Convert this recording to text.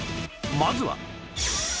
まずは